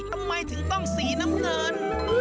ทำไมถึงต้องสีน้ำเงิน